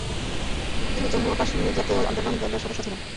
তিনি জম্মু ও কাশ্মীর জাতীয় সম্মেলন দলের সদস্য ছিলেন।